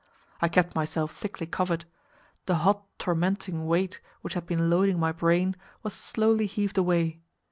I kept myself thickly covered. The hot tormenting weight which had been loading my brain was slowly heaved away.